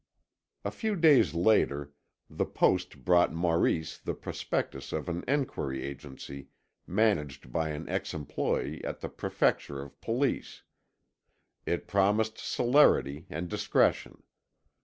A few days later the post brought Maurice the prospectus of an enquiry agency managed by an ex employee at the Prefecture of Police; it promised celerity and discretion.